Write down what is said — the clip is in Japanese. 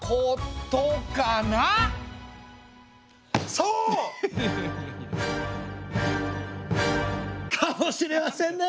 そうかもしれませんね。